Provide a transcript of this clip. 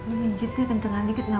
ini bijit deh kenceng kenceng